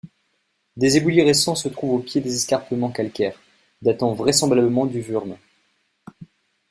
Des éboulis récents se trouvent au pied des escarpements calcaires, datant vraisemblablement du Würm.